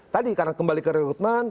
tadi karena kembali ke rekrutmen